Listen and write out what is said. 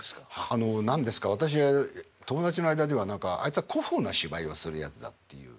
あの何ですか私友達の間では何かあいつは古風な芝居をするやつだっていう。